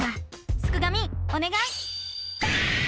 すくがミおねがい！